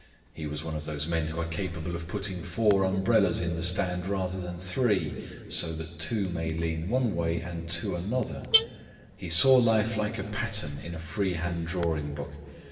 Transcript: He was one of those men who are capable of putting four umbrellas in the stand rather than three, so that two may lean one way and two another; he saw life like a pattern in a freehand drawing book.